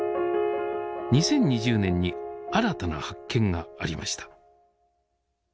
２０２０年に新たな発見がありました。